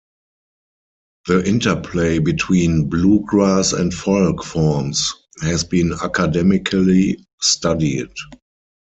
The interplay between bluegrass and folk forms has been academically studied.